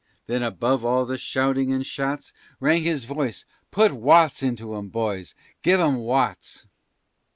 Then above all the shouting and shots, Rang his voice, "Put Watts into 'em, Boys, give 'em Watts!"